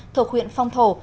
thuộc huyện phong thổ